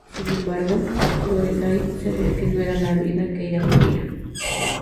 Sin embargo, Lorelai sabía que no era la vida que ella quería.